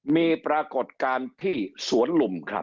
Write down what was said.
มีปรากฏการณ์ที่สวนลุมครับ